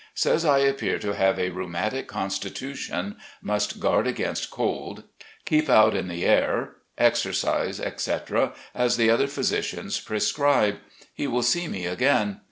Says I appear to have a rheumatic constitution, must guard against cold, keep out in the air, exercise, etc., as the other physicians prescribe. He will see me again.